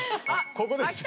ここです。